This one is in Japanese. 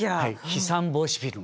飛散防止フィルム。